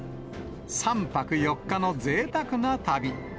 ３泊４日のぜいたくな旅。